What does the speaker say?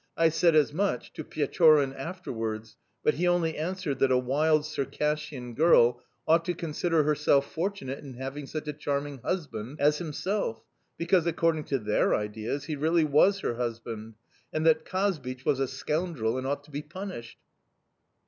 I said as much to Pechorin afterwards, but he only answered that a wild Circassian girl ought to consider herself fortunate in having such a charming husband as himself because, according to their ideas, he really was her husband and that Kazbich was a scoundrel, and ought to be punished.